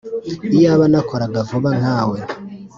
Iyaba nakoraga vuba nkawe